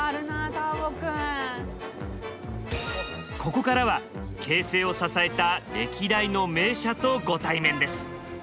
ここからは京成を支えた歴代の名車とご対面です。